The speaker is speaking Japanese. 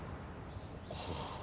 はあ。